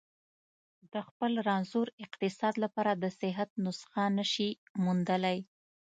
د خپل رنځور اقتصاد لپاره د صحت نسخه نه شي موندلای.